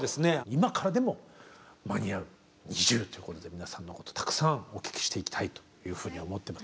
今からでも間に合うＮｉｚｉＵということで皆さんのことをたくさんお聞きしていきたいというふうに思ってます。